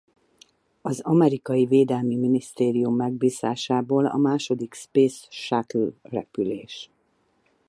Az Amerikai Védelmi Minisztérium megbízásából a második Space Shuttle repülés.